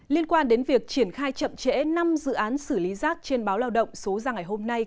liên quan đến việc triển khai chậm trễ năm dự án xử lý rác trên báo lao động số ra ngày hôm nay